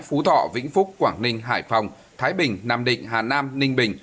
phú thọ vĩnh phúc quảng ninh hải phòng thái bình nam định hà nam ninh bình